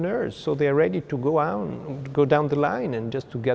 những thông tin của người việt